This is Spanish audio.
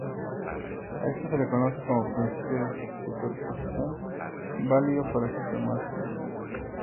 A esto se le conoce como principio de superposición, válido para sistemas lineales.